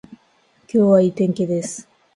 今日はいい天気です